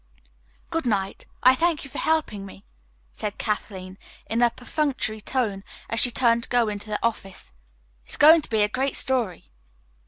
"Good night. I thank you for helping me," said Kathleen in a perfunctory tone as she turned to go into the office. "It is going to be a great story."